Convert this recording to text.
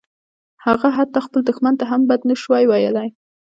هغه حتی خپل دښمن ته هم بد نشوای ویلای